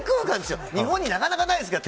日本になかなかないですから。